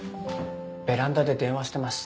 ベランダで電話してます。